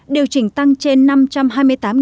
điều chỉnh tăng trên sáu trăm bảy mươi tỷ đồng